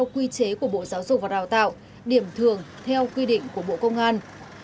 quy chế của bộ giáo dục và đào tạo điểm thường theo quy định của bộ công an